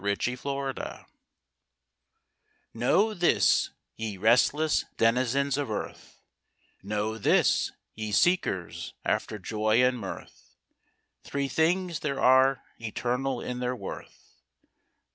THREE THINGS Know this, ye restless denizens of earth, Know this, ye seekers after joy and mirth, Three things there are, eternal in their worth.